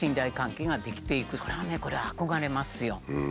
そりゃねこれ憧れますよ。